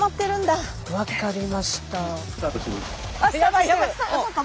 分かりました。